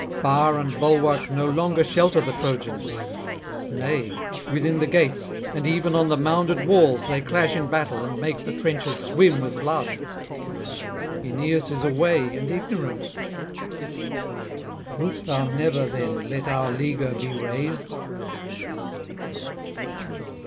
Bar [22 58]and bulwark no longer shelter the Trojans; nay, within the gates and even on the mounded walls they clash in battle and make the trenches swim with blood. Aeneas is away and ignorant. Wilt thou never then let our leaguer be raised?